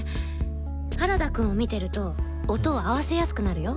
原田くんを見てると音を合わせやすくなるよ。